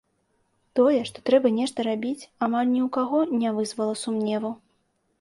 Тое, што трэба нешта рабіць, амаль ні у каго не вызвала сумневу.